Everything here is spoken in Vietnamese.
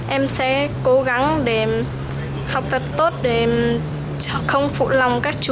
em sẽ cố gắng để học tập tốt để không phụ lòng các chú